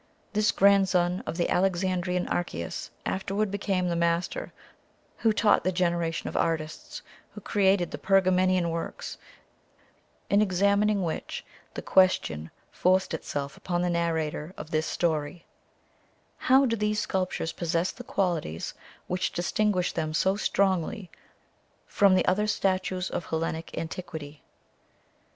This grandson of the Alexandrian Archias afterward became the master who taught the generation of artists who created the Pergamenian works, in examining which the question forced itself upon the narrator of this story: How do these sculptures possess the qualities which distinguish them so strongly from the other statues of later Hellenic antiquity?